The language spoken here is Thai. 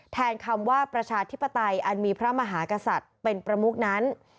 แทนคำว่าประชาธิปไตยอันมีพระมหากษัตริย์เป็นประมุกนั้น